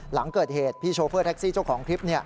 หลังเกิดเหตุพี่โชเฟอร์แท็กซี่เจ้าของคลิป